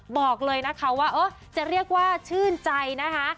บอกเลยนะคะว่าจะเรียกว่าชื่นใจนะคะ